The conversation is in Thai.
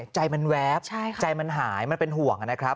ใจมันแวบใจหายมันเป็นห่วง